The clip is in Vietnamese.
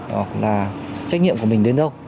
hoặc là trách nhiệm của mình đến đâu